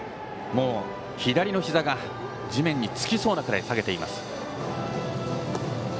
もう、左のひざが地面につきそうなぐらい下げている。